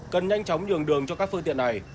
cần nhanh chóng nhường đường cho các phương tiện này